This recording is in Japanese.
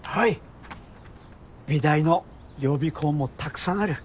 美大の予備校もたくさんある。